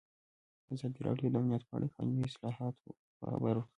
ازادي راډیو د امنیت په اړه د قانوني اصلاحاتو خبر ورکړی.